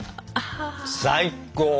最高！